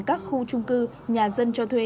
các khu trung cư nhà dân cho thuê